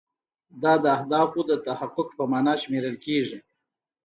دا د اهدافو د تحقق په معنا شمیرل کیږي.